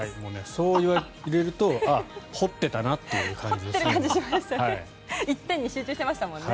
そう言われると掘ってたなという感じですね。